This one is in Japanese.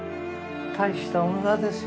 大した女ですよ